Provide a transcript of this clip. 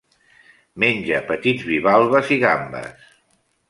Menja petits bivalves i gambes.